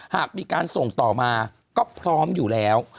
หากมีการส่งต่อมาก็พร้อมอยู่แล้ว